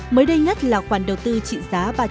mới đây nhất là khoản đầu tư trị giá ba trăm năm mươi triệu usd